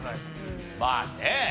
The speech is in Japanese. まあね。